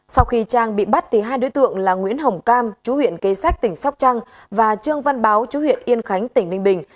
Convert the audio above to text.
sau khi trang bị bắt hai đối tượng là nguyễn hồng cam chú huyện kế sách tỉnh sóc trăng và trương văn báo chú huyện yên khánh tỉnh ninh bình